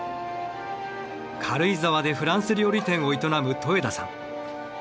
軽井沢でフランス料理店を営む戸枝さん。